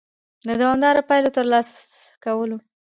د دوامدارو پایلو د ترلاسه کولو